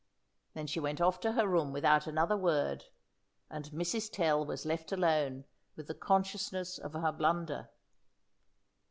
Then she went off to her room without another word, and Mrs. Tell was left alone with the consciousness of her blunder.